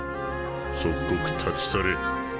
即刻立ち去れ。